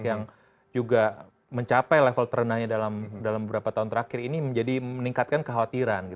yang juga mencapai level terenangnya dalam beberapa tahun terakhir ini menjadi meningkatkan kekhawatiran